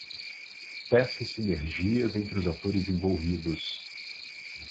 Tece sinergias entre os atores envolvidos.